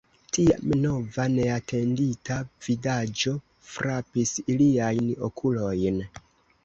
Tiam nova neatendita vidaĵo frapis iliajn okulojn.